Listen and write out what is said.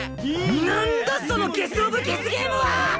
なんだそのゲスオブゲスゲームは！